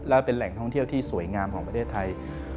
และเป็นแหล่งท่องเที่ยวที่สวยงามของประเทศไทย